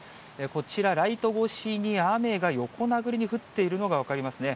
こちら、ライト越しに雨が横殴りに降っているのが分かりますね。